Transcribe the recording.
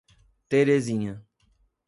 Terezinha